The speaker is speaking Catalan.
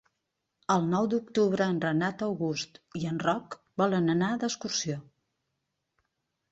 El nou d'octubre en Renat August i en Roc volen anar d'excursió.